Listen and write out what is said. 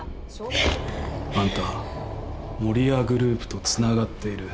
あんた守谷グループとつながっている